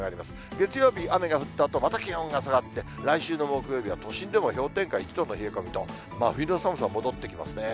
月曜日、雨が降ったあとまた気温が下がって、来週の木曜日は都心でも氷点下１度の冷え込みと、真冬の寒さ戻ってきますね。